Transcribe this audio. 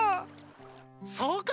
そうか。